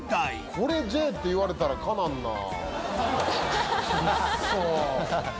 これＪって言われたらかなんなぁ。